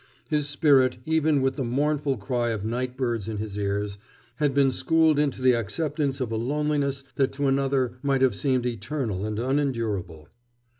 His spirit, even with the mournful cry of night birds in his ears, had been schooled into the acceptance of a loneliness that to another might have seemed eternal and unendurable.